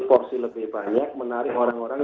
porsi lebih banyak menarik orang orang